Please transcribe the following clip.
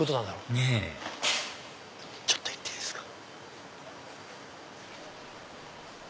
ねぇちょっと行っていいですか。